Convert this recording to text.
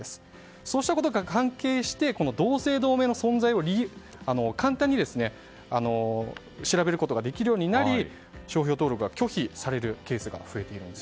そうしたことが関係して同姓同名の存在を簡単に調べることができるようになり商標登録が拒否されるケースが増えているんです。